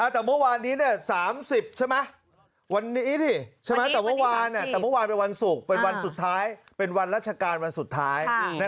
แต่เมื่อวานนี้๓๐วันนี้แต่เมื่อวานเป็นวันสุดท้ายเป็นวันราชการวันสุดท้าย